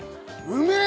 うめえ！